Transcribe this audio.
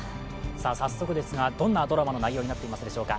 早速ですが、どんなドラマの内容になっていますでしょうか？